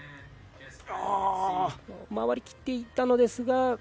回りきっていったのですが。